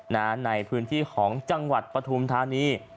ในพื้นที่ของจังหวัดปฐุมธานี